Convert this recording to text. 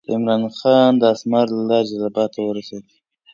عمرا خان د اسمار له لارې جلال آباد ته ورسېد.